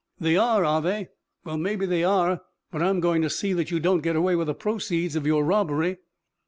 "They are, are they? Well, maybe they are, but I'm going to see that you don't get away with the proceeds of your robbery."